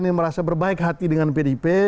yang merasa berbaik hati dengan pdip